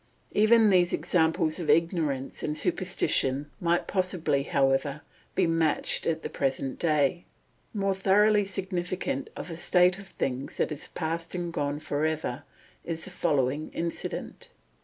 Even these examples of ignorance and superstition might possibly, however, be matched at the present day. More thoroughly significant of a state of things that is past and gone for ever, is the following incident.